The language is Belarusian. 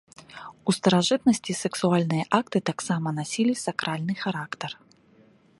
У старажытнасці сексуальныя акты таксама насілі сакральны характар.